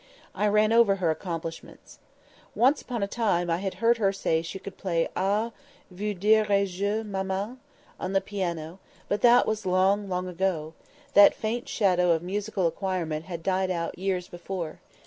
I ran over her accomplishments. Once upon a time I had heard her say she could play "Ah! vous dirai je, maman?" on the piano, but that was long, long ago; that faint shadow of musical acquirement had died out years before.